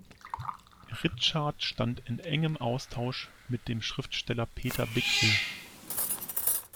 Ritschard stand in engem Austausch mit dem Schriftsteller Peter Bichsel.